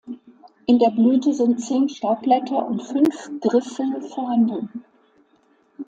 In der Blüte sind zehn Staubblätter und fünf Griffel vorhanden.